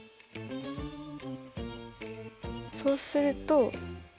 そうすると。